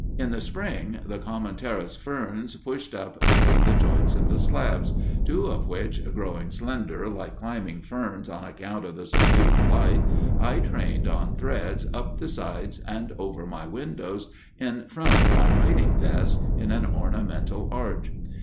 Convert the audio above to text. In the spring the common pteris ferns pushed up between the joints of the slabs, two of which, growing slender like climbing ferns on account of the subdued light, I trained on threads up the sides and over my window in front of my writing desk in an ornamental arch.